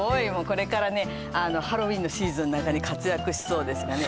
これからねハロウィーンのシーズンなんかに活躍しそうですがね